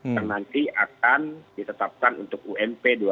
yang nanti akan ditetapkan untuk ump dua ribu dua puluh